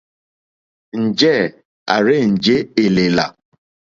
Njɛ̂ à rzênjé èlèlà.